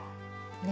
ね。